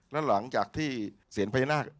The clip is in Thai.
แล้วหลังจากที่เสียญพญานาค